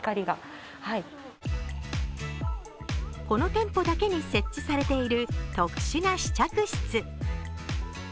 この店舗だけに設置されている特殊な試着室。